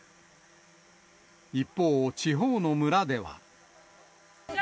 一方、地方の村では。